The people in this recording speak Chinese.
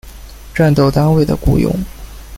战斗单位的雇用。